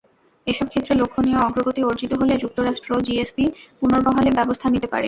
এসব ক্ষেত্রে লক্ষণীয় অগ্রগতি অর্জিত হলে যুক্তরাষ্ট্র জিএসপি পুনর্বহালে ব্যবস্থা নিতে পারে।